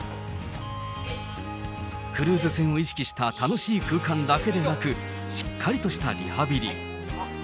クルーズ船を意識した楽しい空間だけでなく、しっかりとしたリハビリ。